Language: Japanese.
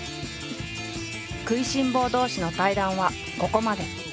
食いしん坊同士の対談はここまで。